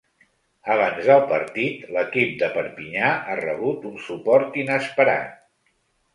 Abans del partit, l’equip de Perpinyà ha rebut un suport inesperat.